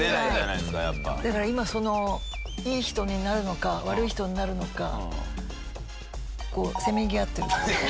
だから今そのいい人になるのか悪い人になるのかこうせめぎ合ってる。